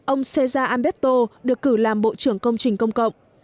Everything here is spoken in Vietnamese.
ông cesar ambeto được cử làm bộ trưởng công trình công cộng